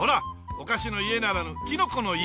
お菓子の家ならぬキノコの家。